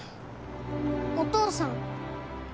お父さん。